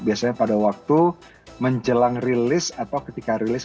biasanya pada waktu menjelang rilis atau ketika rilis